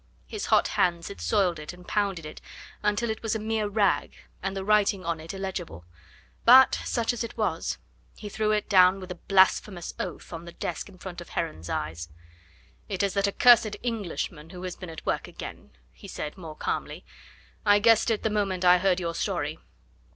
His hot hands had soiled it and pounded it until it was a mere rag and the writing on it illegible. But, such as it was, he threw it down with a blasphemous oath on the desk in front of Heron's eyes. "It is that accursed Englishman who has been at work again," he said more calmly; "I guessed it the moment I heard your story.